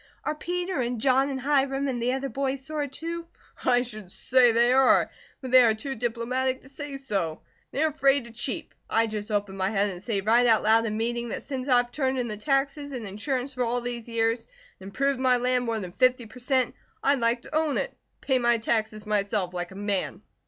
Are Peter, and John, and Hiram, and the other boys sore, too?" "I should say they are! But they are too diplomatic to say so. They are afraid to cheep. I just open my head and say right out loud in meeting that since I've turned in the taxes and insurance for all these years and improved my land more than fifty per cent., I'd like to own it, and pay my taxes myself, like a man."